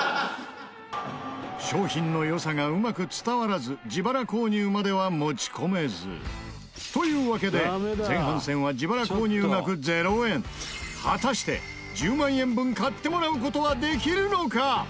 商品の良さがうまく伝わらず自腹購入までは持ち込めずというわけで前半戦は自腹購入額０円果たして、１０万円分買ってもらう事はできるのか？